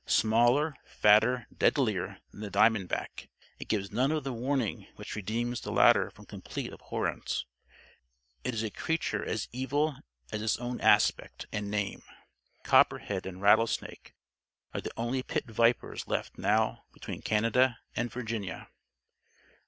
Smaller, fatter, deadlier than the diamond back, it gives none of the warning which redeems the latter from complete abhorrence. It is a creature as evil as its own aspect and name. Copperhead and rattlesnake are the only pit vipers left now between Canada and Virginia.)